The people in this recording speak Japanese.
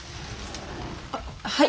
あっはい！